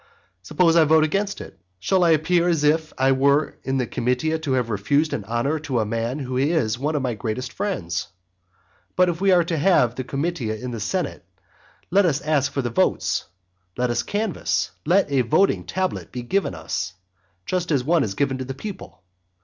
Suppose I vote against it, shall I appear as if I were in the comitia to have refused an honour to a man who is one of my greatest friends? But if we are to have the comitia in the senate, let us ask for votes, let us canvass, let a voting tablet be given us, just as one is given to the people.